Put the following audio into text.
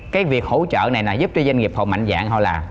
cái việc hỗ trợ này là giúp cho doanh nghiệp họ mạnh dạng họ làm